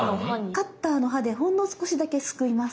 カッターの刃でほんの少しだけすくいます。